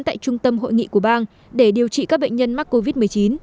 tại trung tâm hội nghị của bang để điều trị các bệnh nhân mắc covid một mươi chín